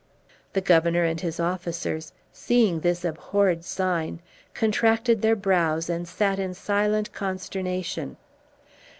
The Governor and his officers, seeing this abhorred sign, contracted their brows and sat in silent consternation.